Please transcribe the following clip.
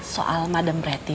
soal madam reti